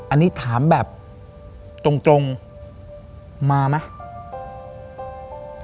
อันนี้ถามแบบตรงมาไหม